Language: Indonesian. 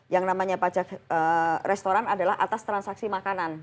yang namanya pajak restoran adalah atas transaksi makanan